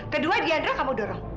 kedua diandra kamu dorong